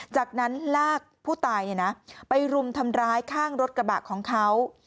จากนั้นลากผู้ตายไปรุมทำร้ายข้างรถกระบะของเขา